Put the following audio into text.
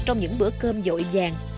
trong những bữa cơm dội vàng